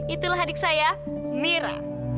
itulah adik saya mira